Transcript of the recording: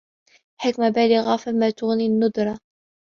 حِكمَةٌ بالِغَةٌ فَما تُغنِ النُّذُرُ